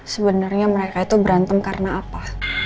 sebenarnya mereka itu berantem karena apa